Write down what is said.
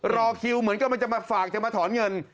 รอคิวเหมือนกับมันจะมาฝากจะมาถอนเงิน